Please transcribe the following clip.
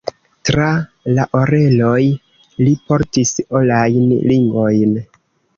Tra la oreloj li portis orajn ringojn.